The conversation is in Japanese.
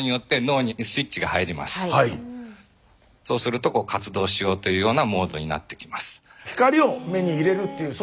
そうすると活動しようというようなモードになってきます。